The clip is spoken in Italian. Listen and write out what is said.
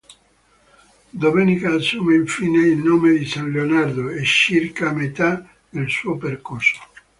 Domenica assume infine il nome di San Leonardo, a circa metà del suo percorso.